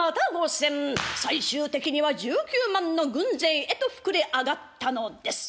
最終的には１９万の軍勢へと膨れ上がったのです。